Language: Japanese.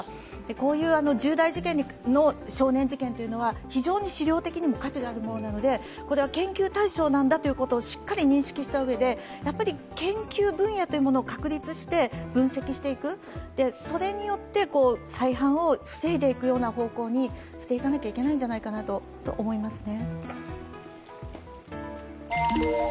こういう重大事件の少年事件というのは、非常に資料的にも価値があるものなので、研究対象なんだとしっかり認識したうえで研究分野というものを確立して分析していく、それによって再犯を防いでいくような方向にしていかなしゃいけないんじゃないかと思いますね。